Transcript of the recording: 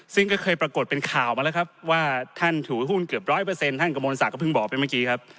ซึ่งก็เคยปรากฏเป็นข่าวมาแล้วครับว่าท่านถือหุ้นเกือบร้อยเปอร์เซ็นท่านกระมวลศักดิเพิ่งบอกไปเมื่อกี้ครับ